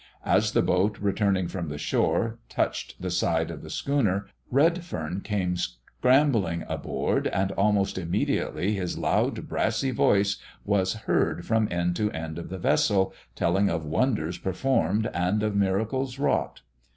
As the boat, returning from the shore, touched the side of the schooner, Redfern came scrambling aboard, and almost immediately his loud, brassy voice was heard from end to end of the vessel, telling of wonders performed and of miracles wrought.